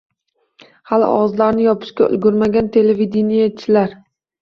Hali og‘izlarini yopishga ulgurmagan televideniyechilar